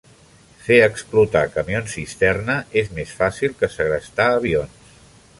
Fer explotar camions cisterna és més fàcil que segrestar avions.